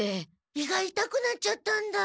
胃がいたくなっちゃったんだ。